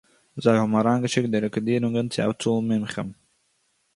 זיי האָבן אַריינגעשיקט די רעקאָרדירונגען צו אַ צאָל מומחים